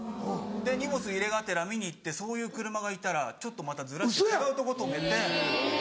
荷物入れがてら見に行ってそういう車がいたらちょっとまたずらして違うとこ止めて。